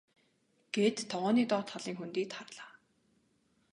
гээд тогооны доод талын хөндийд харлаа.